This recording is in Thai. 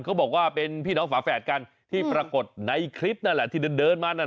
เขาบอกว่าเป็นพี่น้องฝาแฝดกันที่ปรากฏในคลิปนั่นแหละที่เดินมานั่น